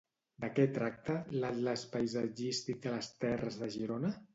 De què tracta "L'Atles paisatgístic de les terres de Girona"?